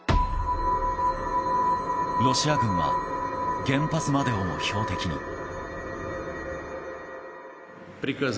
ロシア軍は原発までをも標的に。